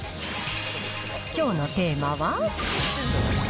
きょうのテーマは？